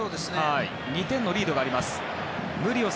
２点のリードがあります。